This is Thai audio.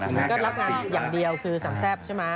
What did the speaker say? มันก็รับงานอย่างเดียวคือสำแซ่บใช่ไหม